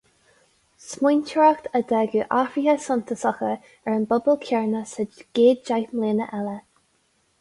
Smaointeoireacht a d'fhágfadh athruithe suntasacha ar an bpobal céanna sa gcéad deich mbliana eile.